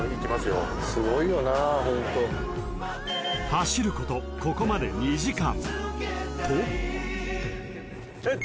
［走ることここまで２時間］